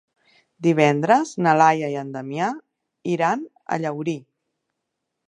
Divendres na Laia i en Damià iran a Llaurí.